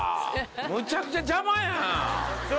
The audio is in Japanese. むちゃくちゃ邪魔やん。